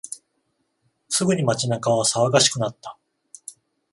すぐに街中は騒がしくなった。